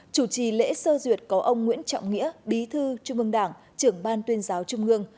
chủ trì lễ sơ duyệt có ông nguyễn trọng nghĩa bí thư trung ương đảng trưởng ban tuyên giáo trung ương